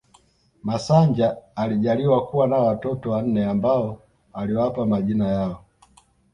Masanja alijaaliwa kuwa na watoto wanne ambao aliwapa majina yao